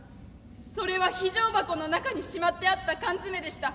それは非常箱の中にしまってあった缶詰でした。